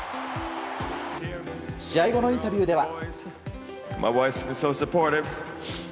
試合後のインタビューでは。